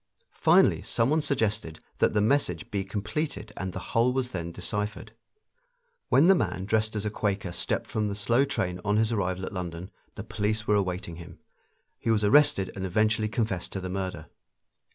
Finally some one suggested that the message be completed and the whole was then deciphered. When the man dressed as a Quaker stepped from the slow train on his arrival at London the police were awaiting him; he was arrested and eventually confessed the murder.